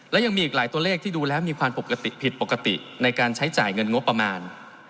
และยังมีอีกหลายตัวเลขที่ดูแล้วมีความปกติผิดปกติในการใช้จ่ายเงินงบประมาณ